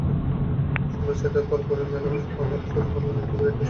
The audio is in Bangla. সন্ধ্যা ছয়টার পরপরই মেলা প্রাঙ্গণে শুরু হতো ভ্যারাইটি শোর নামে অশ্লীল নৃত্য।